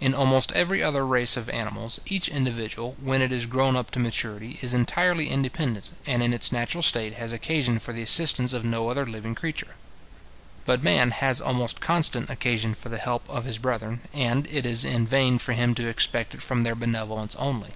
In almost every other race of animals, each individual, when it is grown up to maturity, is entirely independent, and in its natural state has occasion for the assistance of no other living creature. But man has almost constant occasion for the help of his brethren, and it is in vain for him to expect it from their benevolence only.